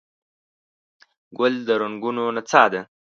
ګل د رنګونو نڅا ده.